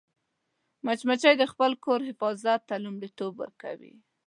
مچمچۍ د خپل کور حفاظت ته لومړیتوب ورکوي